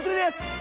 あ！